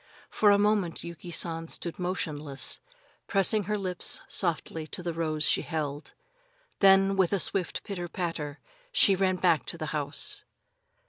For a moment Yuki San stood motionless, pressing her lips softly to the rose she held. Then, with a swift pitter patter, she ran back to the house.